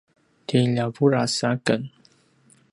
ti ljavuras aken